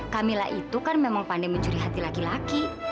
camilla itu kan memang pandai mencuri hati laki laki